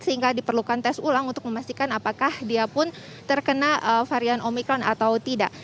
sehingga diperlukan tes ulang untuk memastikan apakah dia pun terkena varian omikron atau tidak